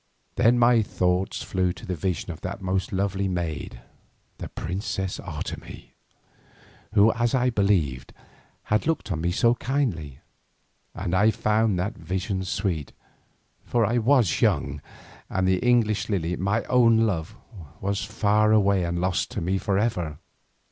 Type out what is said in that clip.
Then my thoughts flew to the vision of that most lovely maid, the princess Otomie, who, as I believed, had looked on me so kindly, and I found that vision sweet, for I was young, and the English Lily, my own love, was far away and lost to me for ever.